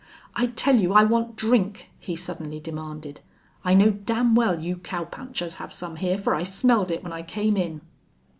"I tell you I want drink," he suddenly demanded. "I know damn well you cowpunchers have some here, for I smelled it when I came in."